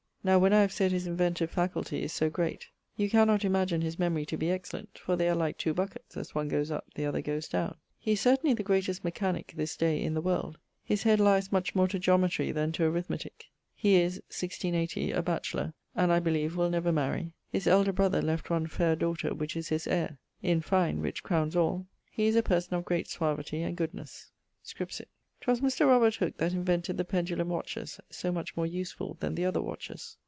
Now when I have sayd his inventive faculty is so great, you cannot imagine his memory to be excellent, for they are like two bucketts, as one goes up, the other goes downe. He is certainly the greatest mechanick this day in the world. His head lies much more to Geometry then to Arithmetique. He is (1680) a batchelour, and, I beleeve, will never marie. His elder brother left one faire daughter[GB], which is his heire. In fine (which crownes all) he is a person of great suavity and goodnesse. Scripsit. ...... 'Twas Mr. Robert Hooke that invented the Pendulum Watches, so much more usefull than the other watches.